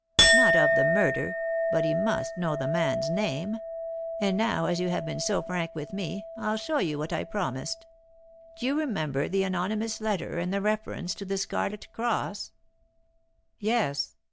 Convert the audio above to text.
"Not of the murder; but he must know the man's name. And now as you have been so frank with me I'll show you what I promised. Do you remember the anonymous letter and the reference to the Scarlet Cross?" "Yes.